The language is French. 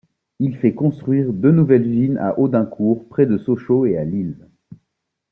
Il fait construire deux nouvelles usines à Audincourt près de Sochaux et à Lille.